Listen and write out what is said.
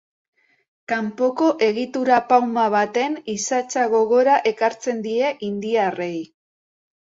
Kanpoko egitura pauma baten isatsa gogora ekartzen die indiarrei.